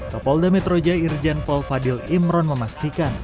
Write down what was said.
kepolda metro jaya irjen pol fadil imron memastikan